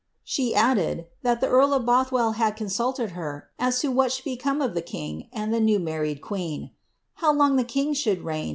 She a(lde<i, thai 'ihe carl of B»thwell haJ consulled her as to what should become of the king and the new iiiar ricd queen, ' how long the king should rei^n.